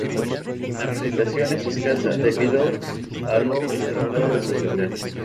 La vegetación es escasa debido a lo escarpado de sus laderas.